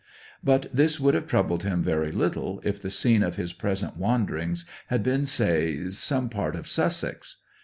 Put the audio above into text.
But this would have troubled him very little if the scene of his present wanderings had been, say, some part of Sussex.